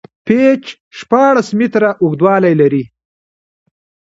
پېچ شپاړس میتره اوږدوالی لري.